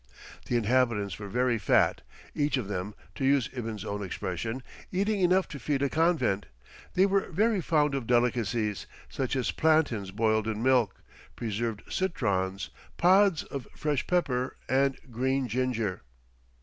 The inhabitants were very fat, each of them, to use Ibn's own expression, "eating enough to feed a convent;" they were very fond of delicacies, such as plantains boiled in milk, preserved citrons, pods of fresh pepper, and green ginger.